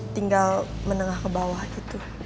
tinggal menengah ke bawah gitu